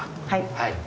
はい。